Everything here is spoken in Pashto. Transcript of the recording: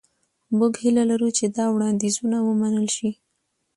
موږ هیله لرو چې دا وړاندیزونه ومنل شي.